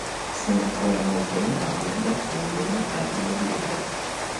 Siamo ancora molto lontani dal fondo del mercato immobiliare.